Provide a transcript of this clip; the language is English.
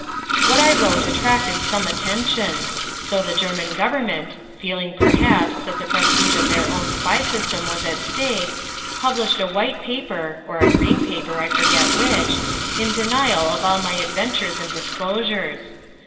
What I wrote attracted some attention. So the German Government feeling, perhaps, that the prestige of their own spy system was at stake published a white paper, or a green paper, I forget which, in denial of all my adventures and disclosures.